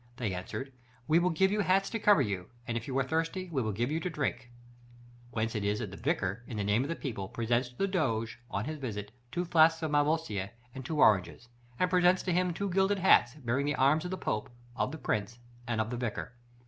they answered, 'We will give you hats to cover you; and if you are thirsty, we will give you to drink.' Whence is it that the Vicar, in the name of the people, presents to the Doge, on his visit, two flasks of malvoisie and two oranges; and presents to him two gilded hats, bearing the arms of the Pope, of the Prince, and of the Vicar.